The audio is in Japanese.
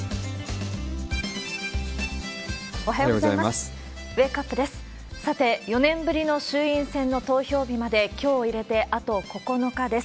おはようございます。